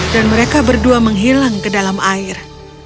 dan mereka berdua menghilang ke dalam air